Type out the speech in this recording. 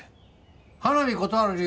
花火断る理由